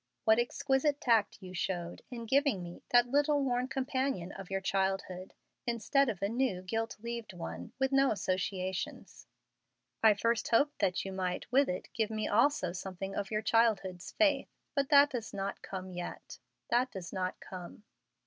What exquisite tact you showed in giving me that little worn companion of your childhood, instead of a new gilt leaved one, with no associations. I first hoped that you might with it give me also something of your childhood's faith. But that does not come yet. That does not come."